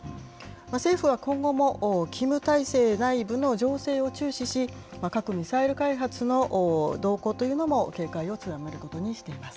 政府は今後も、キム体制内部の情勢を注視し、核・ミサイル開発の動向というのも警戒を強めることにしています。